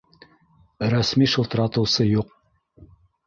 — Рәсми шылтыратыусы юҡ